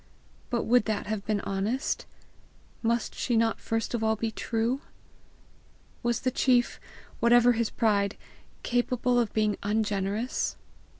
But would that have been honest? Must she not first of all be true? Was the chief, whatever his pride, capable of being ungenerous?